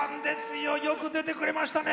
よく出てくれましたね。